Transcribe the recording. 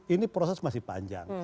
ini proses masih panjang